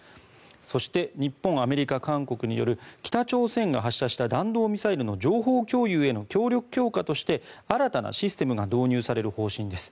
そして日本、アメリカ、韓国による北朝鮮が発射した弾道ミサイルの情報共有への協力強化として新たなシステムが導入される方針です。